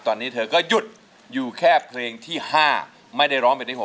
ตอนนี้เธอก็หยุดอยู่แค่เพลงที่๕ไม่ได้ร้องเพลงที่๖